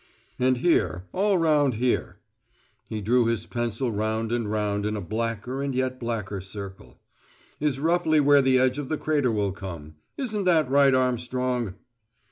See Map III). "And here, all round here" (he drew his pencil round and round in a blacker and yet blacker circle) "is roughly where the edge of the crater will come. Isn't that right, Armstrong?"